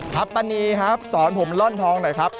ตานีครับสอนผมล่อนทองหน่อยครับ